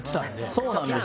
そうなんですよ